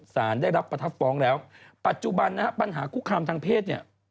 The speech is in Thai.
สารได้รับประทับฟ้องแล้วปัจจุบันนะฮะปัญหาคุกคามทางเพศเนี่ย